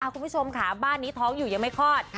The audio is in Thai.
คุณผู้ชมค่ะบ้านนี้ท้องอยู่ยังไม่คลอด